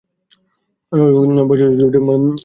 আমরা অনুভব করি, বছরজুড়ে মনের মধ্যে জমে ওঠা ক্লেদ কেটে গেছে।